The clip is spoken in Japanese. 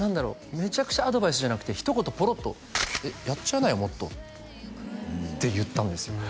めちゃくちゃアドバイスじゃなくてひと言ポロッと「やっちゃいなよもっと」って言ったんですよ